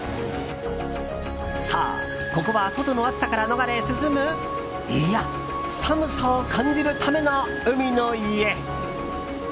そう、ここは外の暑さから逃れ、涼むいや、寒さを感じるための海の家。